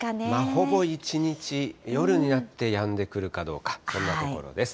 ほぼ一日、夜になってやんでくるかどうか、そんなところです。